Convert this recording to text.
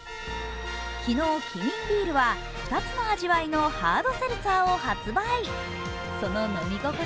昨日キリンビールは２つの味わいのハードセルツァーを発売。